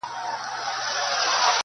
واک د زړه مي عاطفو ته ور کی یاره,